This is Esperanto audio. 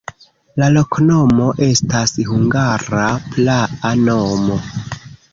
La loknomo estas hungara praa nomo.